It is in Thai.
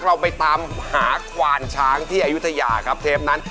เราไปตามหาควานช้างที่อายุทยาครับเทปนั้น